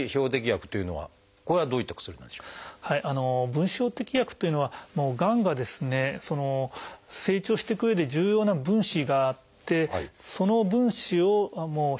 分子標的薬というのはがんがですね成長していくうえで重要な分子があってその分子を標的にする。